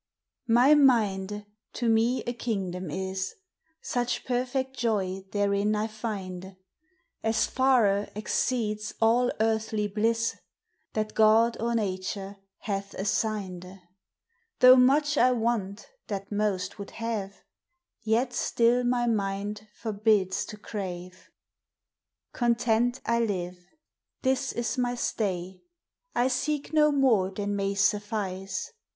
My minde to me a kingdom is ; Such perfect joy therein I finde As farre exceeds all earthly blisse That God or nature hath assignde ; Though much T want that most would have, Yet still my minde forbids to crave. Content I live ; this is my stay, — I seek no more? than may suffice.